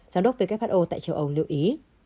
giám đốc who tại châu âu lưu ý